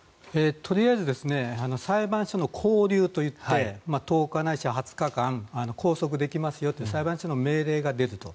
とりあえず裁判所の勾留といって１０日ないし２０日間拘束できますよという裁判所の命令が出ると。